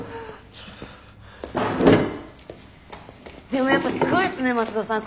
でもやっぱすごいっすね松戸さん。